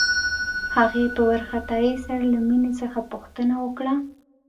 هغې په وارخطايۍ سره له مينې څخه پوښتنه وکړه.